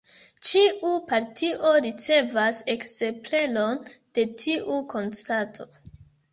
Ĉiu partio ricevas ekzempleron de tiu konstato.